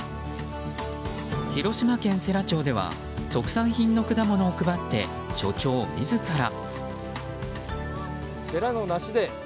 広島県世羅町では特産品の果物を配って所長自ら。